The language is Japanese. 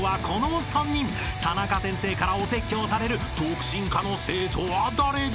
［タナカ先生からお説教される特進科の生徒は誰だ！？］